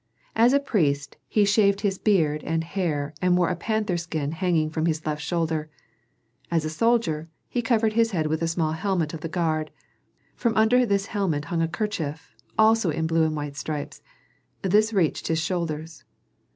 As a priest, he shaved his beard and hair and wore a panther skin hanging from his left shoulder. As a soldier, he covered his head with a small helmet of the guard; from under this helmet hung a kerchief, also in blue and white stripes; this reached his shoulders.